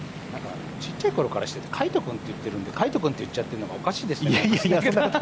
ちっちゃいころから知ってて魁斗君って言ってるんだけど、魁斗君って言っちゃってるのおかしいですよね。